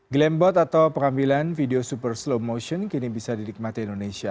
glambot atau pengambilan video super slow motion kini bisa didikmati indonesia